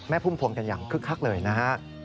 แม่พุ่มพวงกันอย่างคึกเลยนะฮะ